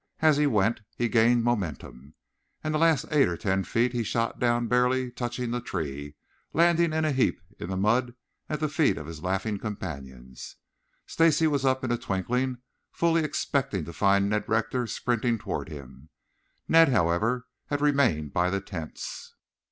As he went he gained momentum, and the last eight or ten feet he shot down barely touching the tree, landing in a heap in the mud at the feet of his laughing companions. Stacy was up in a twinkling, fully expecting to find Ned Rector sprinting towards him. Ned, however, had remained by the tents.